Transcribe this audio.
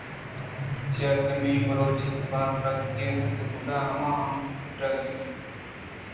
چیاکہ مئے بلوچی زبان رکّ ایت گڑا ما ھم رَکّ ایں۔